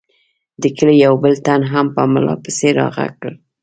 د کلي یو بل تن هم په ملا پسې را غږ کړل.